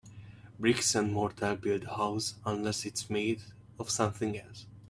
Bricks and mortar build a house, unless it’s made of something else.